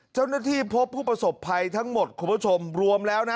เจ้าหน้าที่พบผู้ประสบภัยทั้งหมดคุณผู้ชมรวมแล้วนะ